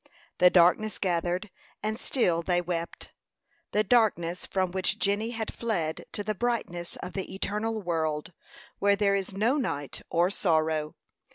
The darkness gathered, and still they wept the darkness from which Jenny had fled to the brightness of the eternal world, where there is no night or sorrow.